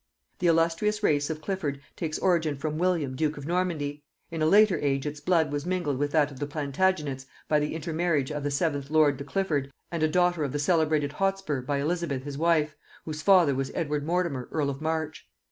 The illustrious race of Clifford takes origin from William duke of Normandy; in a later age its blood was mingled with that of the Plantagenets by the intermarriage of the seventh lord de Clifford and a daughter of the celebrated Hotspur by Elizabeth his wife, whose father was Edward Mortimer earl of March.